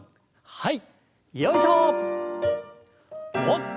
はい。